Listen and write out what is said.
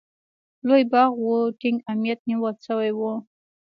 لوی باغ و، ټینګ امنیت نیول شوی و.